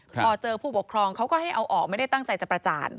พอเจอผู้ปกครองเขาก็ให้เอาออกไม่ได้ตั้งใจจะประจาน